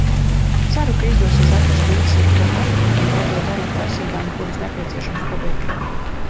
Ceru, ka izdosies atrast līdzsvaru starp atpūtu un daudzo darbu prasībām, kurus nepieciešams pabeigt.